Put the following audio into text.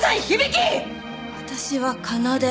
私は奏。